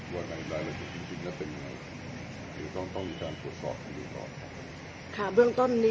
ว่าในรายโลกจริงเป็นยังไง